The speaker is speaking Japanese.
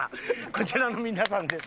こちらの皆さんです。